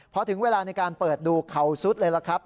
พอถึงเวลาในการเปิดดูเขาซุดเลยล่ะครับ